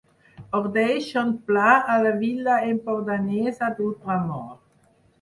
Ordeixo un pla a la vila empordanesa d'Ultramort.